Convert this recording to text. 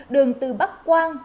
đường từ bắc quang